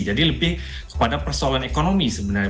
jadi lebih pada persoalan ekonomi sebenarnya